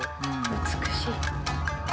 美しい。